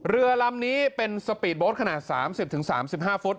เรือลำนี้เป็นสปีดโบ๊ทขนาด๓๐๓๕ฟุต